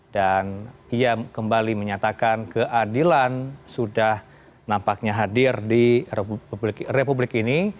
dan ia kembali menyatakan keadilan sudah nampaknya hadir di republik ini